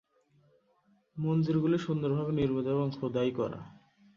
মন্দিরগুলি সুন্দরভাবে নির্মিত এবং খোদাই করা।